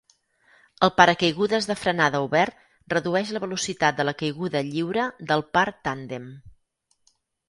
El paracaigudes de frenada obert redueix la velocitat de la caiguda lliure del par tàndem.